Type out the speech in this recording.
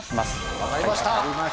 分かりました。